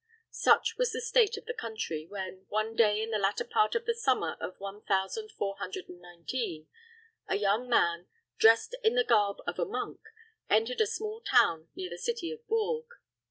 Such was the state of the country, when, one day in the latter part of the summer of one thousand four hundred and nineteen, a young man, dressed in the garb of a monk, entered a small town near the city of Bourges.